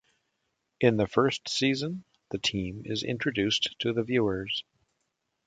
In the first season, the team is introduced to the viewers.